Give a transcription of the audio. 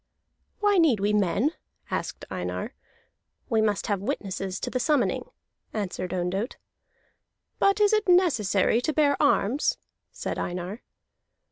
"Why need we men?" asked Einar. "We must have witnesses to the summoning," answered Ondott. "But it is not necessary to bear arms," said Einar.